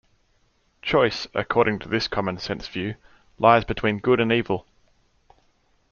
Choice, according to this common-sense view, lies between good and evil.